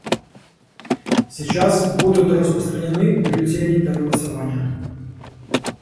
Сейчас будут распространены бюллетени для голосования.